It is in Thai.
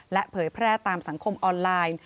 เผยแพร่ตามสังคมออนไลน์